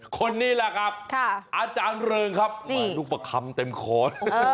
คนนี้แหละครับอาจารย์เริงครับลูกประคำเต็มค้อน